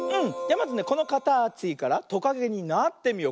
まずこのかたちからトカゲになってみよう。